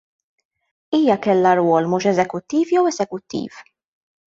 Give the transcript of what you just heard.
Hija kellha rwol mhux eżekuttiv jew eżekuttiv?